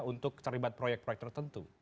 untuk terlibat proyek proyek tertentu